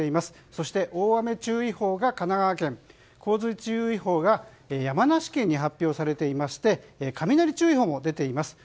そして、大雨注意報が神奈川県洪水注意報が山梨県に発表されていまして雷注意報も出ています。